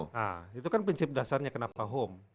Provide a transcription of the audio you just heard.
nah itu kan prinsip dasarnya kenapa home